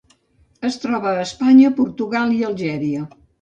Es troba a Espanya, Portugal, i Algèria.